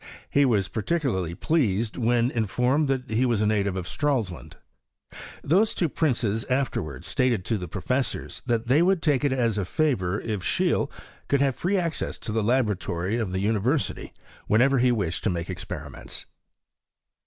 He was particularly pleased when informed that he was a native of Stralsund. These two princes afterwards stated to the professors that tbey would take it as a favour if Seheele could have free access to the laboratory of the university whenever he wished to make experiments.